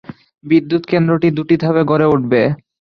বিদ্যুৎ কেন্দ্রটি দুটি ধাপে গড়ে উঠবে।